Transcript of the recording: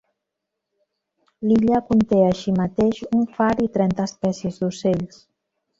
L'illa conté així mateix un far i trenta espècies d'ocells.